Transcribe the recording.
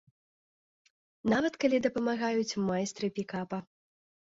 Нават калі дапамагаюць майстры пікапа.